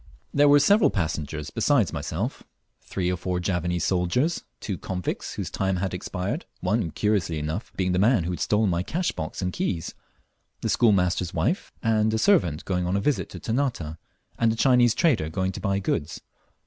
There were several passengers besides myself: three or four Javanese soldiers, two convicts whose time had expired (one, curiously enough, being the man who had stolen my cash box and keys), the schoolmaster's wife and a servant going on a visit to Ternate, and a Chinese trader going to buy goods.